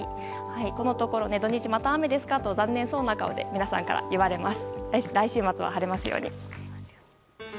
このところ土日また雨ですかと残念そうな顔で皆さんから言われます。